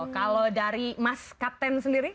kalau dari mas captain america